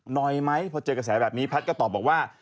หน่อยไหมพอเจอกระแสแบบนี้แพทย์ก็ตอบบอกว่า